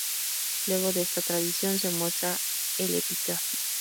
Luego de esta tradición, se muestra el epitafio.